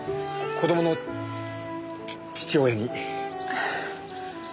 子供の父親に。